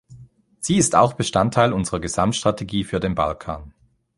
Sie ist auch Bestandteil unserer Gesamtstrategie für den Balkan.